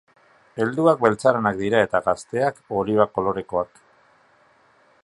Helduak beltzaranak dira eta gazteak oliba kolorekoak.